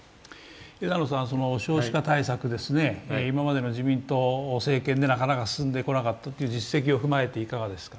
枝野さん、少子化対策、今までの自民党政権でなかなか進んでこなかったという実績を踏まえていかがですか？